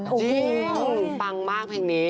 จริงปังมากแทนนี้